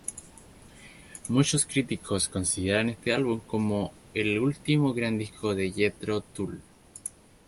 Muchos críticos consideran este álbum como el último gran disco de Jethro Tull.